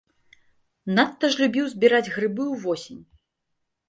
Надта ж любіў збіраць грыбы ўвосень.